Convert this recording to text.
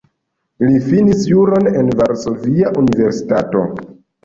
Li finis juron en Varsovia Universitato.